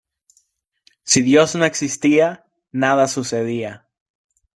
Si Dios no existía, nada sucedía.